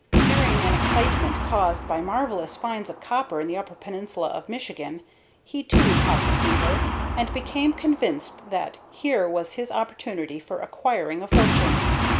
During an excitement caused by marvellous finds of copper in the upper peninsula of Michigan, he, too, caught the fever, and became convinced that here was his opportunity for acquiring a fortune.